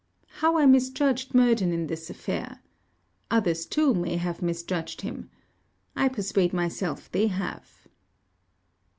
How I misjudged Murden in this affair! Others too may have misjudged him. I persuade myself they have.